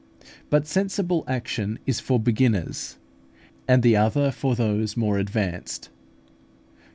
But sensible action is for beginners, and the other for those more advanced.